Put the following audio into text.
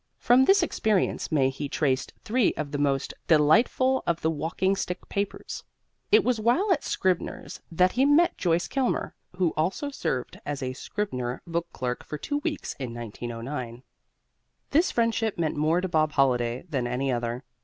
From this experience may he traced three of the most delightful of the "Walking Stick Papers." It was while at Scribner's that he met Joyce Kilmer, who also served as a Scribner book clerk for two weeks in 1909. This friendship meant more to Bob Holliday than any other.